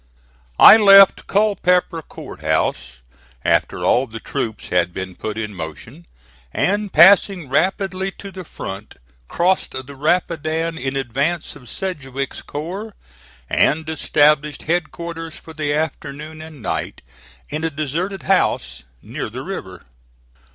I left Culpeper Court House after all the troops had been put in motion, and passing rapidly to the front, crossed the Rapidan in advance of Sedgwick's corps; and established headquarters for the afternoon and night in a deserted house near the river.